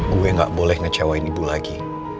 gue gak boleh ngecewain ibu lagi